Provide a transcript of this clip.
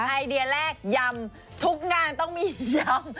ไอเดียแรกยำทุกงานต้องมียำ